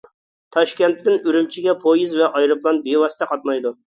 تاشكەنتتىن ئۈرۈمچىگە پويىز ۋە ئايروپىلان بىۋاسىتە قاتنايدۇ.